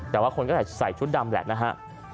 แต่ว่าคนก็ใส่ชุดดำแหละนะฮะ